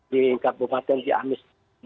di kabupaten ciamis